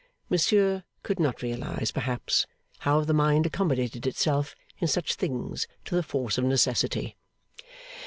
Monsieur could not realise, perhaps, how the mind accommodated itself in such things to the force of necessity.